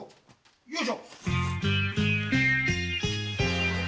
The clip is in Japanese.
よいしょ。